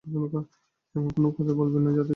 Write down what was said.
এমন কোনো কথাই বলবেন না যাতে জগতে যুগান্তর উপস্থিত হবে।